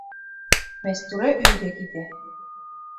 Мәстүрә өйгә китә.